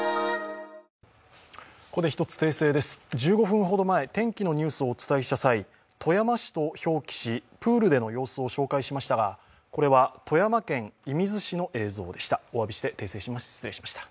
１５分ほどまえ、天気のニュースをお伝えした際富山市と表記し、プールでの様子を紹介しましたがこれは富山県射水市の映像でした。